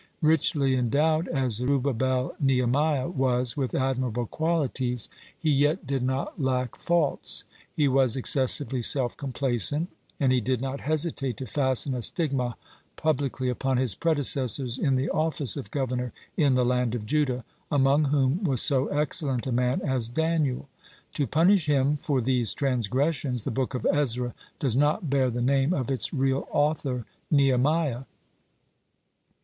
(26) Richly endowed as Zerubbabel Nehemiah was with admirable qualities, he yet did not lack faults. He was excessively self complacent, and he did not hesitate to fasten a stigma publicly upon his predecessors in the office of governor in the land of Judah, among whom was so excellent a man as Daniel. To punish him for these transgressions, the Book of Ezra does not bear the name of its real author Nehemiah.